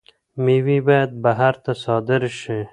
میوې باید بهر ته صادر شي.